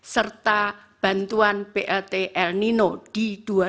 serta bantuan plt el nino di dua ribu dua puluh